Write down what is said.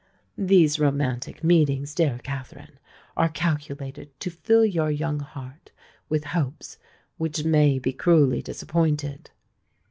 These romantic meetings, dear Katherine, are calculated to fill your young heart with hopes which may be cruelly disappointed.